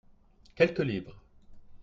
Quelques livres.